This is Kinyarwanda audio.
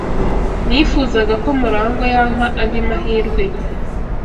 Nifuzaga ko Murangwa yampa andi mahirwe.